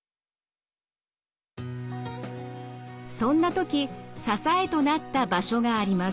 そんな時支えとなった場所があります。